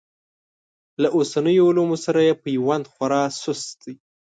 له اوسنیو علومو سره یې پیوند خورا سست دی.